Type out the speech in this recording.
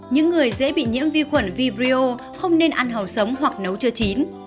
những người dễ bị nhiễm vi khuẩn vibrio không nên ăn hầu sống hoặc nấu chưa chín